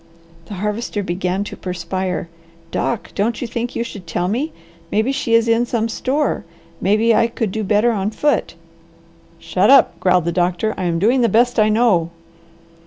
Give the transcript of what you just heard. The Harvester began to perspire. "Doc, don't you think you should tell me? Maybe she is in some store. Maybe I could do better on foot." "Shut up!" growled the doctor. "I am doing the best I know."